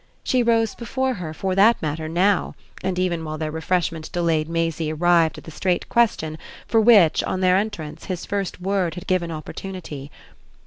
She rose before her, for that matter, now, and even while their refreshment delayed Maisie arrived at the straight question for which, on their entrance, his first word had given opportunity.